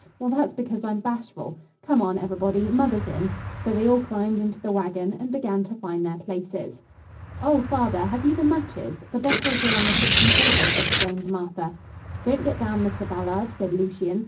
Well, that's because I'm bashful. Come on, everybody, mother's in." So they all climbed into the wagon and began to find their places. "Oh, father, have you the matches? The bottles are on the kitchen table," exclaimed Martha. "Don't get down, Mr. Ballard," said Lucien.